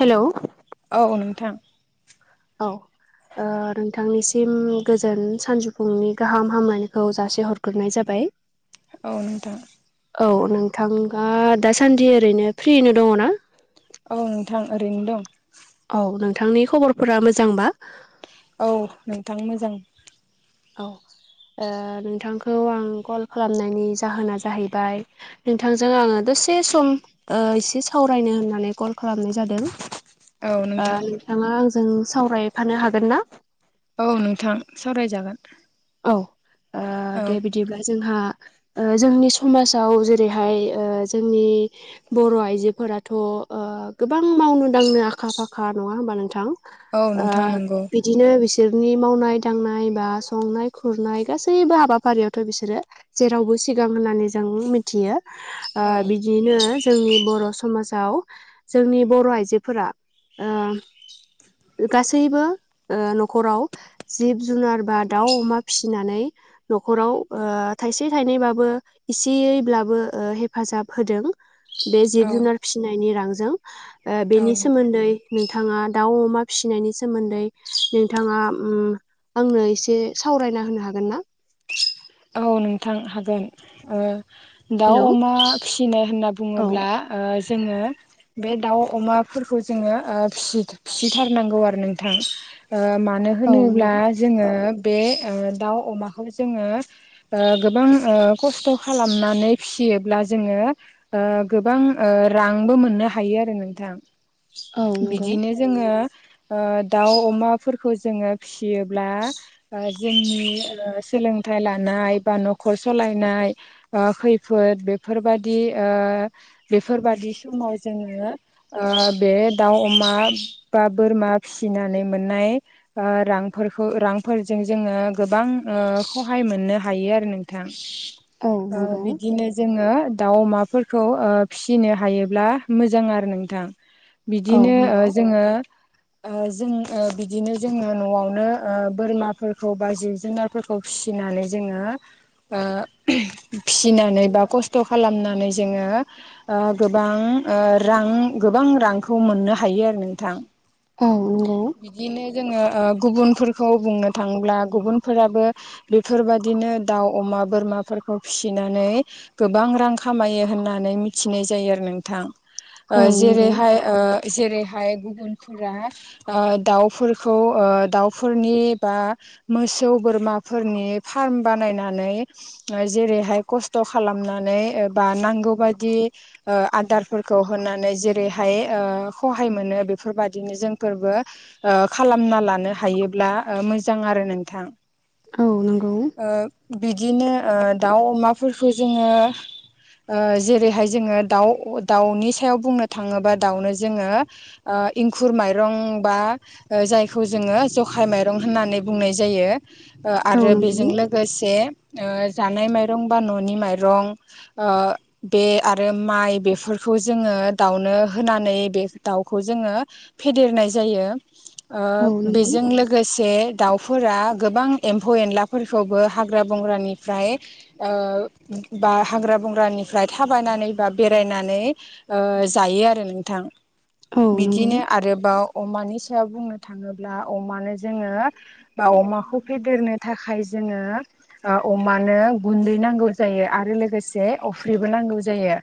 हेल' औ नोंथां औ ओ नोंथांनिसिम गोजोन सानजौफुंनि गाहाम हामलायनायखौ जासि हर ग्रोनाय जाबाय औ नोंथां औ नोंथाङा दासान्दि ओरैनो फ्रिनो दङ' ना? औ नोंथां ओरैनो दं औ नोंथांनि खबरफोरा मोजांबा औ नोंथां मोजां औ, ओ नोंथांखौ आं कल खालामनायनि जाहोना जाहैबाय नोंथांजों आङो दसे सम एसे सावरायनो होननानै कल खालामनाय जादों। औ नोंथां नोंथाङा आंजों सावरायफानो हागोन ना? औ नोंथां सावरायजागोन औ ओ औ दे बिदिब्ला जोंहा जोंनि समाजाव जेरैहाय ओ जोंनि बर' आइजोफोराथ' ओ गोबां मावनो दांनो आखा फाखा नङा होमबा नोंथां औ ओ नोंथां नंगौ बिदिनो बिसोरनि मावनाय दांनाय बा संनाय खुरनाय गासैबो हाबाफारियावथ' बिसोरो जेरावबो सिगां होननानै जों मिथियो। ओ औ बिदिनो जोंनि बर' समाजाव जोंनि बर' आइजोफोरा गासैबो ओ न'खराव जिब जुनार बा दाउ अमा फिसिनानै न'खराव ओ थाइसे थाइनैबाबो एसेयैब्लाबो हेफाजाब होदों बे जिब औ जुनार फिसिनायनि रांजों ओ बेनि नोंथां सोमोन्दै नोंथाङा दाउ अमा फिसिनायनि सोमोन्दै नोंथांङा आंनो एसे सावरायना होनो हागोन ना? औ नोंथां हागोन ओ। दाउ हेलौ अमा फिसिनाय होनना औ बुङोब्ला ओ जोङो। बे दाउ अमाफोरखौ जोङो फि फिसिथारनांगौ आरो नोंथां ओ मानो औ होनोब्ला नंगौ जोङो बे दाउ अमाखौ जोङो। ओ गोबां ओ खस्थ' खालामनानै फियोब्ला जोंङो। ओ गोबां ओ रांबो मोननो हायो आरो नोंथां औ नंगौ बिदिनो जोङो ओ दाउ अमाफोरखौ जोङो फिसियोब्ला जोंनि सोलोंथाइ लानाय बा न'खर सालायनाय ओ खैफोद बेफोरबायाददि ओ बेफोरबादि समाव जोङो ओ बे दाउ अमा बा बोरमा फिसिनानै मोननाय। ओ रांफोरखौ रांफोरजों जोङो गोबां। सहाय मोननो हायो आरो नोंथां औ ओ नंगौ बिदिनो जोङो दाउ अमाफोरखौ ओ फिसिनो हायोब्ला मोजां आरो नोंथां। औ बिदिनो नंगौ जोंङो। जों बिदिनो जोङो न'आवनो बोरमाफोरखौ बा जिब जुनारफोर खौ फिसिनानै जोंङो। ओ फिसिनानै बा खस्थ' खालामनानै जोंङो। ओ गोबां रां गोबां रांखौ मोननो हायो आरो नोंथां औ नंगौ बिदिनो जोङो गुबुनफोरखौ बुंनो थाङोब्ला गुबुनफोराबो बेफोरबायदिनो दाउ अमा बोरमाफोरखौ फिसिनानै गोबां रां खामायो होननानै मिथिनाय जायो आरो नोंथां ओ औ नंगौ जेरैहाय-श ओ जेरैहाय गुबुनफोरा ओ दाउफोरखौ ओ दाउफोरनि बा मोसौ बोरमा फोरनि फार्म बानायनानै जेरैहाय खस्थ' खालामनानै बा नांगौ बादि आदारफोरखौ होनानै जेरैहाय सहाय मोनो बेफोरबायादिनो जोंफोरबो ओ खालामना लानो हायोब्ला मोजां आरो नोंथां। औ नंगौ। ओ बिदिनो दाउ अमाफोरखौ जोंङो ओ जेरैहाय जोङो दाउ दाउनि सायाव बुंनो थाङोबा दाउनो जोंङो इंखुर माइरं बा जायखौ जोङो जखाय माइरं होननानै बुंनाय जायो औ आरो नंगौ बेजों लोगोसे जानाय माइरं बा न'नि माइरं बे आरो माइ बेफोरखौ जोङो दाउनो होनानै बे दाउखौ जोङो फेदेरनाय जायो ओ औ नंगौ बेजों लोगोसे दाउफोरा गोबां एम्फौ एनलाफोरखौबो हाग्रा बंग्रानिफ्राय ओ बा हाग्रा बंग्रानिफ्राय थाबायनानै बा बेरायनानै ओ जायो आरो नोंथां औ नंगौ बिदिनो आरोबाव अमानि सायाव बुंनो थाङोब्ला अमानो जोङो बा अमाखौ फेदेरनो थाखाय जोङो अमानो गुन्दै नांगौ जायो आरो लोगोसे अफ्रिबो नांगौ जायो।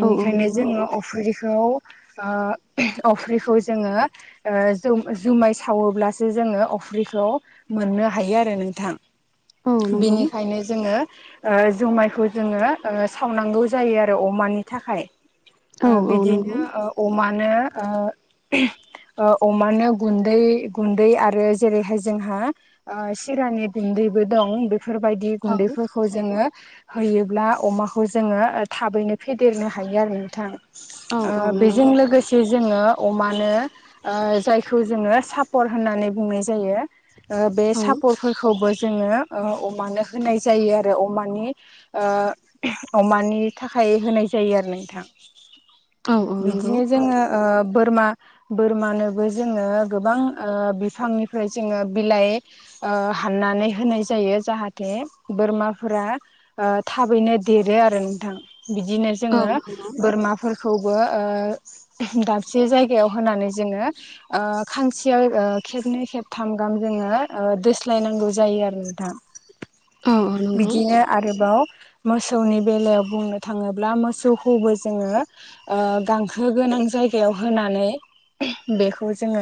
औ जोङो अफ्रिखौ अफ्रिखौ जोङो जुमाय सावोब्लासो जोङो अफ्रिखौ मोननो हायो आरो नोंथां नंगौ बेनिखायनो जोङो जुमायखौ जोङो सावनांगौ जायो आरो अमानि थाखाय औ नंगौ औ नंगौ बिदिनो अमानो अमानो गुन्दै गुन्दै आरो जेरैहाय जोंहा सिरानि दुन्दैबो दं बेफोरबायदि औ गुन्दैफोरखौ जोङो होयोब्ला अमाखौ जोङो थाबैनो फेदेरनो हायो आरो औ नोंथां। औ बेजों नंगौ लोगोसे जे जोङो अमानो जायखौ जोङो सापर् होननानै बुंनाय जायो। ओ बे औ सापरफोरखौबो जोङो अमानो होनाय जायो आरो अमानि अमानि थाखाय होनाय जायो आरो ना नोंथां। [inaudible] नंगौ बिदिनो जोङो बोरमा बोरमानोबो जोङो गोबां बिफांनिफ्राय जोङो बिलाइ हाननानै होनाय जायो जाहाथे बोरमाफोरा थाबैनो देरो आरो नोंथां बिदिनो औ जोङो नंगौ बोरमा खौबो दाबसे जायगायाव होनानै जोङो खानसेयाव खेबनै खेबथाम जन ज नों औ औ नंगौ बिदिनो आरोबाव मोसौनि बेलायाव बुंनो थाङोब्ला मोसौखौबो जोङो गांसो गोनां जायगायाव होनानै बेखौ जोङो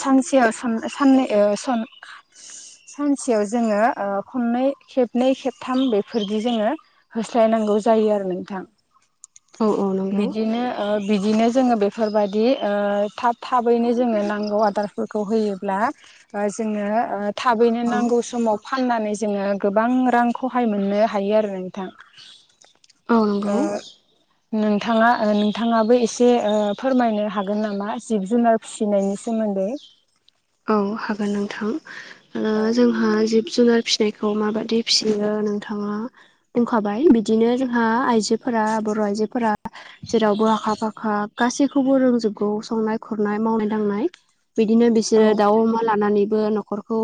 सानसेयाव साननै सानसेयाव जोङो खननै खेबनै खेबथाम बेफोरदि जोङो होस्लायनांगौ जायो आरो नोंथां औ औ नोंथां। बिदिनो बिदिनो जोङो बेफोरबायदि थाब थाबैनो जोङो नांगौ आदारफोरखौ होयो। जोनो थाबैनो नांगौ औ समाव फाननानै जोङो गोबां रां खहाय मोननो हायो आरो नोंथां औ नंगौ ओ नोंथाङा नोंथाङाबो एसे ओ फोरमायनो हागोन नामा जिब जुनार फिसिनायनि सोमोन्दै औ हागोन नोंथां ओ औ जोंहा जिब जुनार फि नायखौ माबायदि फिसियो नोंथाङा बुंखाबाय बिदिनो जोंहा आइजो फोरा बर' आइजोफोरा जेरावबो आखा फाखा गासैखौबो रोंजोबगौ संनाय खुरनाय मावनाय दांनाय बिदिनो औ बिसोरो दाउ अमा लानानैबो न'खर खौ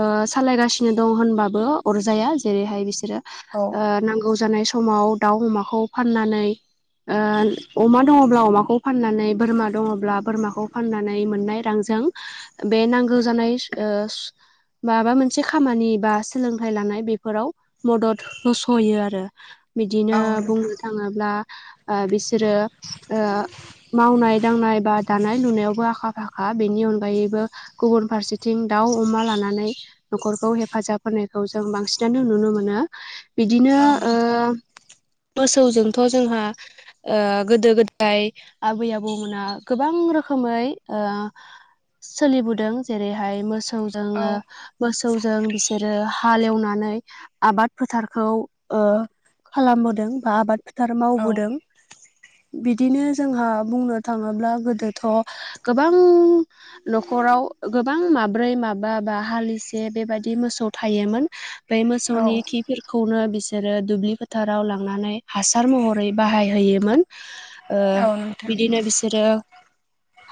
ओ सालायगासिनो दं होनबाबो अरजाया जेरैहाय बिसोरो औ नांगौ जानाय समाव दाउ अमाखौ फाननानै ओ अमा दङ'ब्ला अमाखौ फाननानै बोरमा दङ'ब्ला बोरमाखौ फाननानै मोननाय रांजों बे नांगौ जानाय ओ माबा मोनसे खामानि बा सोलोंथाइ लानाय बेफोराव मदद होस'यो आरो बिदिनो बुंनो थाङोब्ला ओ बिसोरो ओ मावनाय दांनाय बा दानाय लुनायावबो आखा फाखा बेनि अनगा गायैबो गुबुन फारसेथिं दाउ अमा लानानै न'खरखौ हेफाजाब होनायखौ जों बांसिनानो नुनो मोनो। बिदिनो ओ मोसौजोंथ' जोंहा ओ गोदो गोदाय आबै आबौमोना गोबां रोखोमै ओ सोलिबोदों जेरैहाय मोसौ औ जोङो? मोसौजों बिसोरो हालेवनानै आबाद फोथारखौ ओ खालामबोदों बा आबाद फोथार औ मावबोदों। बिदिनो जोंहा बुंनो थाङोब्ला गोदोथ' गोबां न'खराव गोबां माब्रै माबा बा हालिसे बेबादि मोसौ थायोमोन। बे औ मोसौनि खिफोर खौनो बिसोरो दुब्लि फोथाराव लांनानै हासार महरै बाहायहोयोमोन। ओ नोंथां बिदिनो बिसोरो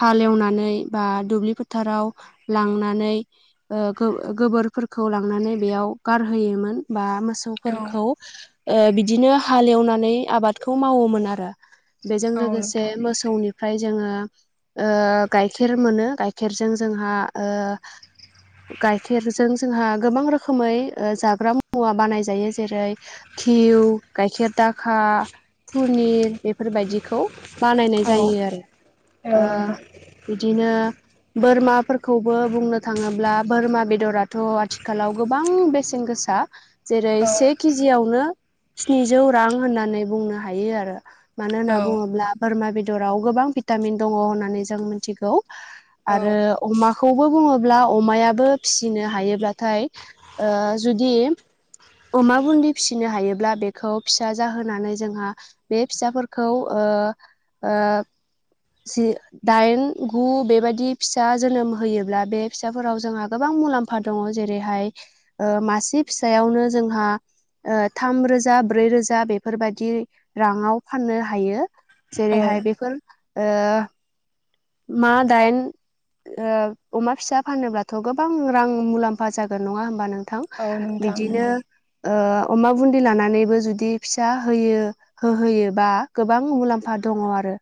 हालेवनानै बा दुब्लि फोथाराव लांनानै ओ गोब गोबोरफोरखौ लांनानै बेयाव गारहोयोमोन। बा मोसौ औ फोरखौ ओ बिदिनो हालेवनानै आबादखौ मावोमोन आरो। बेजों औ लोगोसे नोंथां मोसौनिफ्राय जोङो? ओ गाय खेर मोनो गाइखेरजों जोंहा ओ गाइखेरजों जोंहा गोबां रोखोमै ओ जाग्रा मुवा बानाय जायो। जेरै घिउ गाइखेर दाखा पुनिर बेफोरबायदिखौ बानायनाय औ जायो। आरो औ ओ नोंथां बिदिनो बोरमाफोरखौबो बुंनो थाङोब्ला बोरमा बेदराथ' आथिखालाव गोबां बेसेन गोसा। दा जेरै से केजियावनो स्निजौ रां होननानै बुंनो हायो आरो। मानो होनना औ बुङोब्ला बोरमा बेदराव गोबां भिटामिन दङ' होननानै जों मिथिगौ। औ आरो अमाखौबो बुङोब्ला अमायाबो फिसिनो हायोब्लाथाय ओ जुदि अमा बुन्दि फिसिनो हायोब्ला बेखौ फिसा जाहोनानै जोंहा बे फिसाफोरखौ ओ ओ जि दाइन गु बेबायदि फिसा जोनोम होयोब्ला? बे फिसाफोराव जोंहा गोबां मुलाम्फा। फा दङ' जेरैहाय ओ मासे फिसायावनो जोंहा ओ थाम रोजा ब्रै रोजा बेफोरबायदि राङाव फाननो हायो। जेरैहाय बेफोर ओ मा दाइन ओ अमा फिसा फानोब्लाथ' गोबां रां मुलाम्फा जागोन नङा होमबा नोंथां? औ नोंथां बिदिनो नंगौ ओ अमा बुन्दि लानानैबो जुदि फिसा होयो होहोयोबा गोबां मुलाम्फा दङ आरो।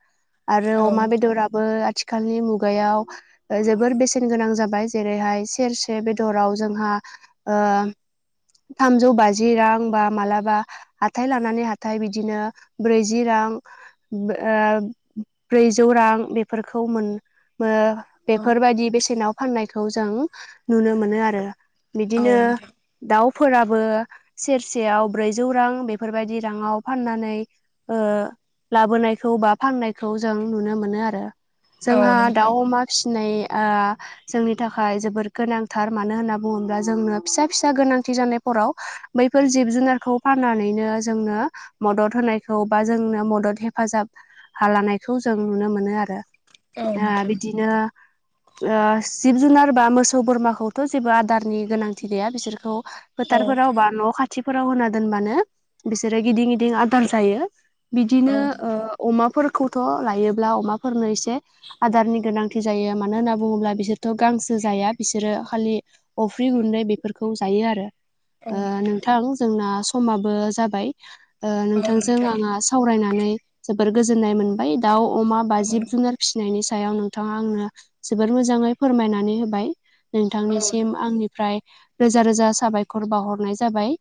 आरो औ अमा नोंथां बेदराबो आथिखालनि मुगायाव जोबोर बेसेन गोनां जाबाय। जेरैहाय सेरसे बेदराव जोंहा? थामजौ बाजि रां बा मालाबा हाथाय लानानै हाथाय बिदिनो ब्रैजि रां ब्रैजौ रां बे औ बेफोरबायदि बेसेनाव फाननायखौ जों नुनो मोनो आरो। औ बिदिनो नोंथां दाउफोराबो सेरसेयाव ब्रैजौ रां बेफोरबायदि राङाव फाननानै लाबोनायखौ बा फाननायखौ जों नुनो मोनो आरो। औ जोंहा नोंथां दाउ अमा फिसिनाय जोंनि थाखाय जोबोद गोनांथार मानो होनना बुङोब्ला जोंनो फिसा फिसा गोनांथि जानायफोराव बैफोर जिब जुनारखौ फाननानैनो जोंनो मदद होनायखौ बा जोंनो मदद हेफाजाब लानायखौ जों नुनो मोनो आरो औ नोंथां बिदिनो जिब जुनार बा मोसौ बोरमाखौथ' जेबो आदारनि गोनांथि गैया। बिसोरखौ औ फोथारफोराव बा न' खाथिफोराव होना दोनबानो बिसोरो गिदिं गिदिं आदार जायो। औ बिदिनो अमाफोरखौथ' लायोब्ला अमाफोरनो एसे से आदारनि गोनांथि जायो मानो होनना बुङोब्ला बिसोरथ' गांसो जाया? बिसोरो खालि अफ्रि गुन्दै बेफोरखौ जायो आरो नोंथां जोंना समाबो जाबाय औ नोंथांजों नोंथां आंहा सावरायनानै जोबोर गोजोन्नाय मोनबाय दाउ अमा बा औ जिब जुनार नोंथां फिनायनि सायाव आं नोंथाङा आंनो जोबोर मोजाङै फोरमायनानै होबाय औ नोंथांनिसिम आंनिफ्राय रोजा रोजा साबायखर बावहरनाय जाबाय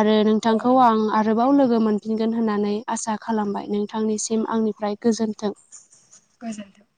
आरो औ नोंथांखौ आं आरोबाव लोगो मोनफिनगोन होननानै आसा खालामबाय नोंथांनिसिम आंनिफ्राय गोजोन्थों। गोजोन्थों